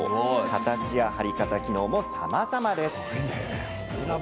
形や張り方、機能もさまざまです。